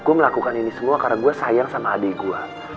aku melakukan ini semua karena gue sayang sama adik gue